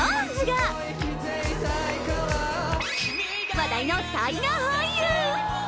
話題の大河俳優！